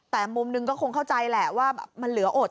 แต่มุมหนึ่งก็คงเข้าใจแหละว่ามันเหลืออด